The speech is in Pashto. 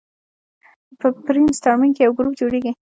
په برین سټارمینګ کې یو ګروپ جوړیږي.